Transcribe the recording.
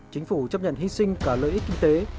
chính phủ chấp nhận hy sinh cả lợi ích kinh tế